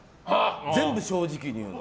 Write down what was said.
全部正直に言うの。